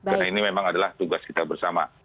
karena ini memang adalah tugas kita bersama